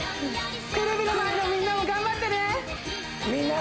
テレビの前のみんなも頑張ってねみんな！